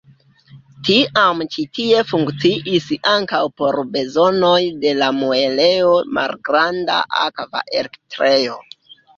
Tiam ĉi tie funkciis ankaŭ por bezonoj de la muelejo malgranda akva elektrejo.